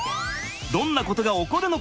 どんなことが起こるのか？